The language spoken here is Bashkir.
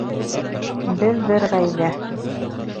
Беҙ бер ғаилә